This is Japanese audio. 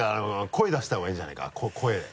声出した方がいいんじゃないか？